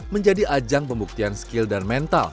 menjadi ajang pembuktian skill dan mental